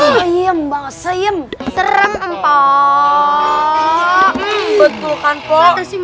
seing seing keren empuk betulkan po